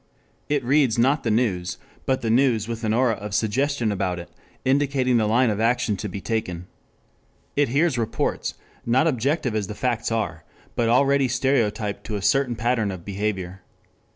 It reads not the news, but the news with an aura of suggestion about it, indicating the line of action to be taken. It hears reports, not objective as the facts are, but already stereotyped to a certain pattern of behavior.